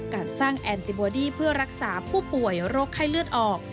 การสร้างแอนติบอดี้เพื่อรักษาผู้ป่วยโรคไข้เลือดออก